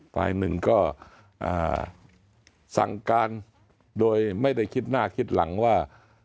ฝ่ายหนึ่งก็สั่งการโดยไม่ได้คิดหน้าคิดหลังว่า